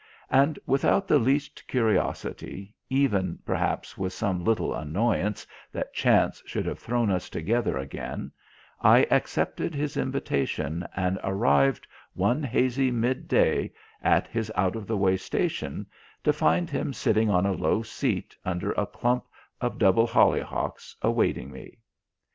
And without the least curiosity, even, perhaps with some little annoyance that chance should have thrown us together again, I accepted his invitation and arrived one hazy midday at his out of the way station to find him sitting on a low seat under a clump of double hollyhocks, awaiting me.